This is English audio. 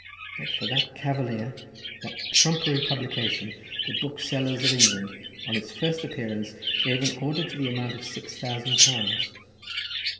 Yet for that "Cavalier," that trumpery publication, the booksellers of England, on its first appearance, gave an order to the amount of six thousand pounds.